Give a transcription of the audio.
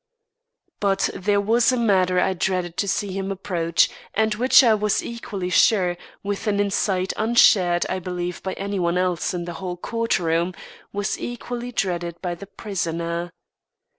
But there was a matter I dreaded to see him approach, and, which, I was equally sure, with an insight unshared I believe by any one else in the whole courtroom, was equally dreaded by the prisoner.